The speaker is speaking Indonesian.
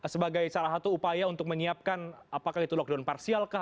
sebagai salah satu upaya untuk menyiapkan apakah itu lockdown parsial kah